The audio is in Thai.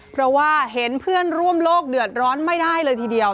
เพราะว่าเห็นเพื่อนร่วมโลกเดือดร้อนไม่ได้เลยทีเดียว